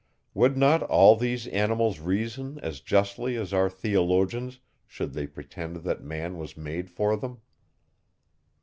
Would not all these animals reason as justly as our theologians, should they pretend that man was made for them?